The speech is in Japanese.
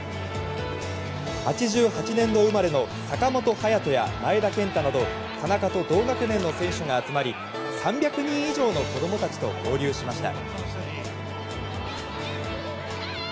８８年度生まれの坂本勇人や前田健太など田中と同学年の選手が集まり３００人以上の子供たちと交流しました。